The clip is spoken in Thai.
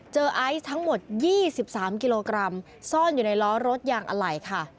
ไอซ์ทั้งหมด๒๓กิโลกรัมซ่อนอยู่ในล้อรถยางอะไหล่ค่ะ